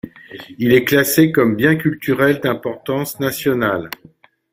Il est classé comme bien culturel d'importance nationale.